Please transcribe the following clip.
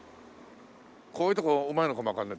こういうとこうまいのかもわかんない。